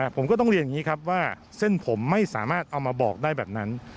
ผมก็ต้องเรียนอย่างนี้ครับว่าเส้นผมไม่สามารถเอามาบอกได้แบบนั้น